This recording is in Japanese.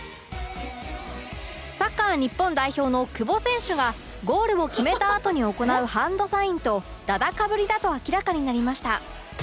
サッカー日本代表の久保選手がゴールを決めたあとに行うハンドサインとだだかぶりだと明らかになりました